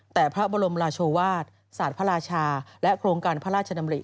แต่พระบรมราชวาสศาสตร์พระราชาและโครงการพระราชดำริ